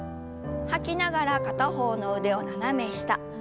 吐きながら片方の腕を斜め下。